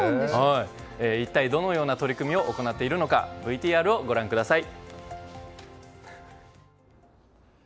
一体どのような取り組みを行っているのかＶＴＲをご覧ください。